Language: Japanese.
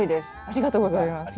ありがとうございます。